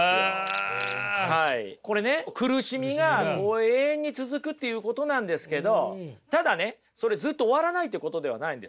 これね苦しみが永遠に続くっていうことなんですけどただねそれずっと終わらないってことではないんですよ。